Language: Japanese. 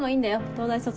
東大卒。